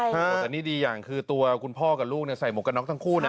แต่นี่ดีอย่างคือตัวคุณพ่อกับลูกใส่หมวกกันน็อกทั้งคู่นะ